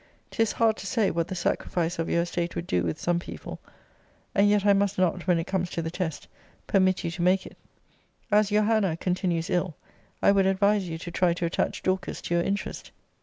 'Tis hard to say what the sacrifice of your estate would do with some people: and yet I must not, when it comes to the test, permit you to make it. As your Hannah continues ill, I would advise you to try to attach Dorcas to your interest.